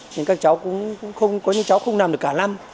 nên các cháu cũng không có những cháu không nằm được cả năm